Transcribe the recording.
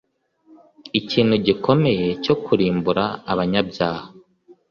Ikintu gikomeye cyo kurimbura abanyabyaha